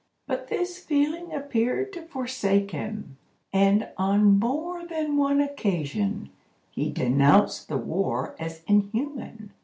But this feeling appeared to forsake him, and on more than one occasion he denounced the war as inhuman.